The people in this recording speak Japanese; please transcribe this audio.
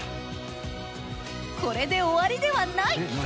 これで終わりではない。